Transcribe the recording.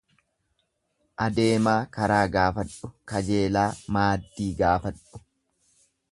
Adeemaa karaa gaafadhu, kajeelaa maaddii gaafadhu.